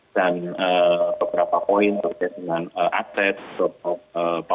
dan beberapa poin terkait dengan atlet pemanah